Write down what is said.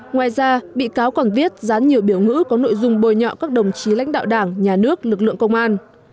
ngoài ra bị cáo còn viết dán nhiều biểu ngữ có nội dung bồi nhọ các đồng chí lãnh đạo đảng nhà nước lực lượng công an